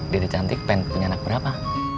dede cantik pengen punya anak berapa